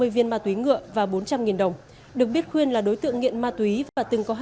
hai mươi viên ma túy ngựa và bốn trăm linh đồng được biết khuyên là đối tượng nghiện ma túy và từng có